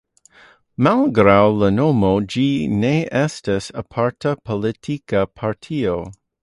Malgraŭ la nomo, ĝi ne estas aparta politika partio.